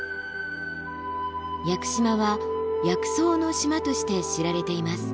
屋久島は薬草の島として知られています。